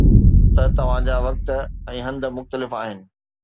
ته توهان جا وقت ۽ هنڌ مختلف آهن